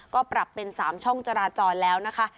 ก็ปรับเป็น๓ช่องจราจรแล้วนะคะ